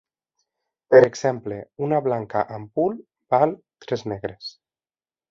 Per exemple: una blanca amb punt val tres negres.